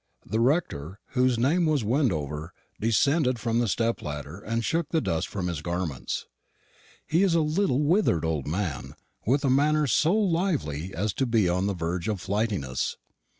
The rector, whose name is Wendover, descended from the step ladder and shook the dust from his garments. He is a little withered old man, with a manner so lively as to be on the verge of flightiness.